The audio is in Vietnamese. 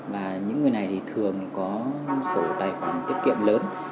và những người này thường có số tài khoản tiết kiệm lớn